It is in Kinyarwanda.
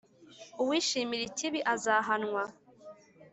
Uwishimira ikibi, azahanwa,